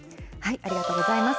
ありがとうございます。